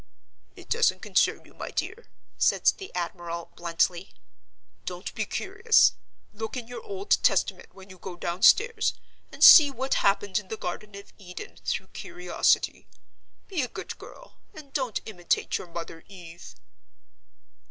"It doesn't concern you, my dear," said the admiral, bluntly. "Don't be curious. Look in your Old Testament when you go downstairs, and see what happened in the Garden of Eden through curiosity. Be a good girl, and don't imitate your mother Eve."